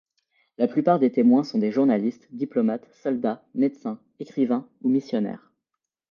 La plupart des témoins sont des journalistes, diplomates, soldats, médecins, écrivains ou missionnaires.